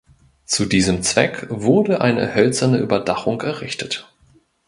Zu diesem Zweck wurde eine hölzerne Überdachung errichtet.